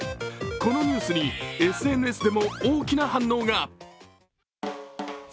このニュースに、ＳＮＳでも大きな反応が。